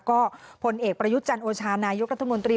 ก็ผลเอกประยุทธ์จันโอชานายกรัฐมนตรี